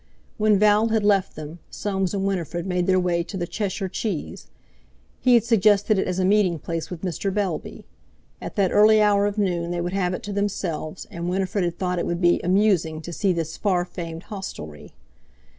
When Val had left them Soames and Winifred made their way to the Cheshire Cheese. He had suggested it as a meeting place with Mr. Bellby. At that early hour of noon they would have it to themselves, and Winifred had thought it would be "amusing" to see this far famed hostelry.